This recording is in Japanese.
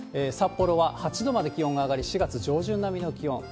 札幌は８度まで気温が上がり、４月上旬並みの気温。